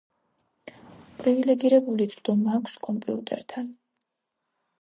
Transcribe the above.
პრივილეგირებული წვდომა აქვს კომპიუტერთან.